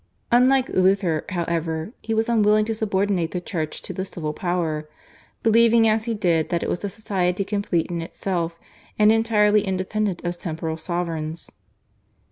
Unlike Luther, however, he was unwilling to subordinate the Church to the civil power, believing as he did that it was a society complete in itself and entirely independent of temporal sovereigns.